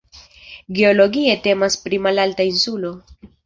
Geologie temas pri malalta insulo.